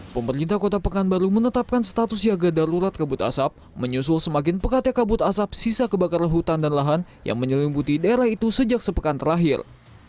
pemerintah kota pekanbaru menetapkan status siaga darurat kabut asap menyusul semakin pekatnya kabut asap sisa kebakaran hutan dan lahan yang menyelimuti daerah itu sejak sepekan terakhir